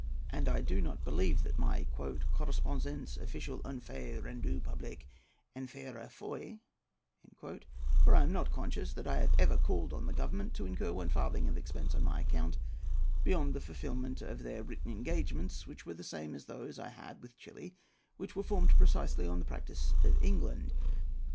And I do believe that my "Correspondance Officielle une fais rendue publique, en faira foi;" for I am not conscious that I have ever called on the Government to incur one farthing of expense on my account beyond the fulfilment of their written engagements, which were the same as those which I had with Chili, which were formed precisely on the practice of England.